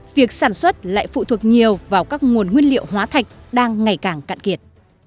việc sản xuất lại phụ thuộc nhiều vào các nguồn nguyên liệu hóa thạch đang ngày càng cạn kiệt